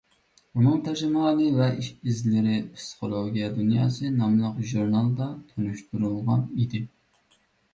ئۇنىڭ تەرجىمىھالى ۋە ئىش-ئىزلىرى «پسىخولوگىيە دۇنياسى» ناملىق ژۇرنالدا تونۇشتۇرۇلغان ئىدى.